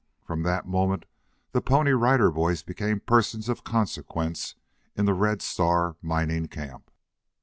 From that moment the Pony Rider Boys became persons of consequence in the Red Star mining camp.